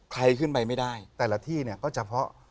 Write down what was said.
ใครขึ้นไปไม่ได้แต่ละที่เนี่ยก็เฉพาะ